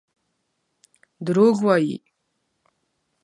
دروغ وايي.